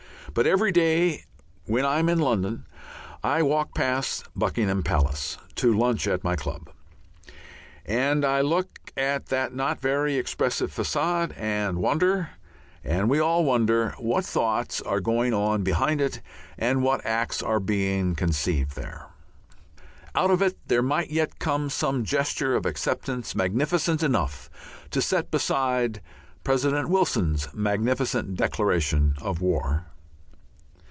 But every day when I am in London I walk past Buckingham Palace to lunch at my club, and I look at that not very expressive façade and wonder and we all wonder what thoughts are going on behind it and what acts are being conceived there. Out of it there might yet come some gesture of acceptance magnificent enough to set beside President Wilson's magnificent declaration of war.